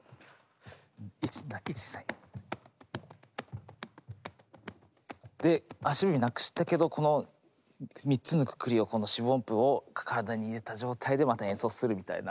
１・２・３・１・２・３。で足踏みなくしたけどこの３つのくくりをこの四分音符を体に入れた状態でまた演奏するみたいな。